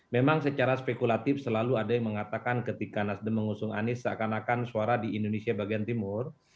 memang secara spekulatif selalu ada yang mengatakan ketika nasdem mengusung anies seakan akan suara di indonesia bagian timur